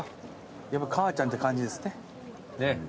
やっぱ母ちゃんって感じですね。